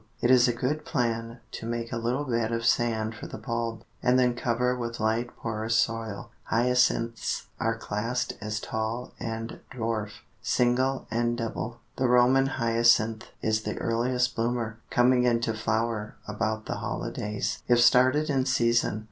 It is a good plan to make a little bed of sand for the bulb, and then cover with light porous soil. Hyacinths are classed as tall and dwarf, single and double. The Roman Hyacinth is the earliest bloomer, coming into flower about the holidays if started in season.